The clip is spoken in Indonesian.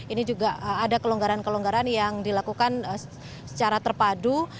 ini juga ada kelonggaran kelonggaran yang dilakukan secara terpadu